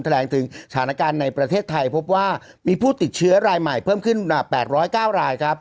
แถลงถึงสถานการณ์ในประเทศไทยพบว่ามีผู้ติดเชื้อรายใหม่เพิ่มขึ้น๘๐๙รายครับ